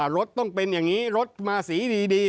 รถต้องเป็นอย่างนี้รถมาสีดี